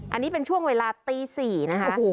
อันนี้เป็นช่วงเวลาตี๔นะคะ